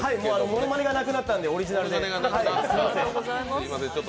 ものまねがなくなったのでオリジナルで。